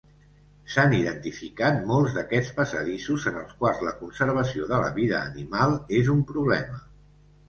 S"han identificat molts d"aquests passadissos en els quals la conservació de la vida animal és un problema.